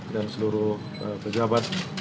dan seluruh pejabat